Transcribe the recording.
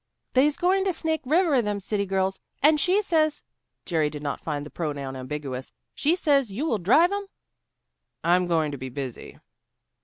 "They's going to Snake River, them city girls. And She says " Jerry did not find the pronoun ambiguous "She says will you drive 'em?" "I'm going to be busy."